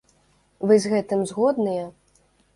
Вы з гэтым згодныя?